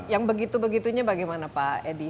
yang begitu begitunya bagaimana pak edi